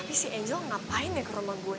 tapi si angel ngapain ya ke rumah gue